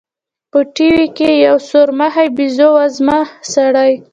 په ټي وي کښې يو سورمخى بيزو وزمه سړى.